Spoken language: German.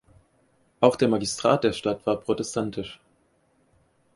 Auch der Magistrat der Stadt war protestantisch.